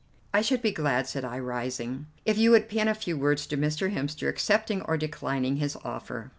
"I should be glad," said I, rising, "if you would pen a few words to Mr. Hemster accepting or declining his offer."